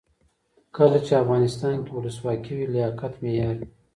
کله چې افغانستان کې ولسواکي وي لیاقت معیار وي.